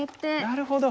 なるほど。